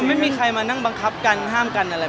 หมายถึงว่าความดังของผมแล้วทำให้เพื่อนมีผลกระทบอย่างนี้หรอค่ะ